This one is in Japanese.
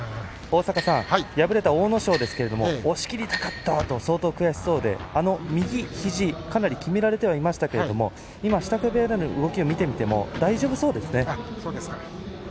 敗れた阿武咲ですけれども押しきりたかったと相当悔しそうで右肘をかなりきめられていましたけれども支度部屋での動きを見ていても大丈夫そうですね。